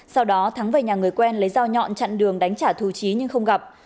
sau đó thắng về nhà người quen lấy dao nhọn chặn đường đánh trả thù trí nhưng không gặp